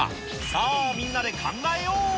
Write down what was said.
さあ、みんなで考えよう。